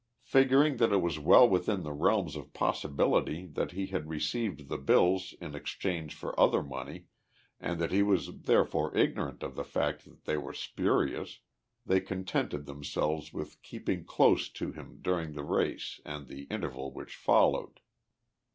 Figuring that it was well within the realms of possibility that he had received the bills in exchange for other money, and that he was therefore ignorant of the fact that they were spurious, they contented themselves with keeping close to him during the race and the interval which followed.